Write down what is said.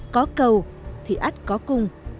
có câu thì ách có cung